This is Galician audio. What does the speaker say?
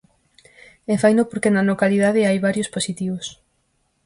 E faino porque na localidade hai varios positivos.